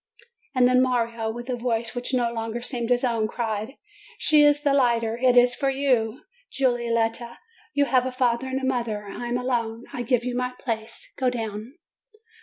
And then Mario, with a voice which no longer seemed his own, cried : "She is the lighter ! It is for you, Giulietta ! You have a father and mother ! I am alone! I give you my place! Go down!"